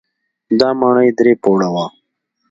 دا ماڼۍ درې پوړه وه.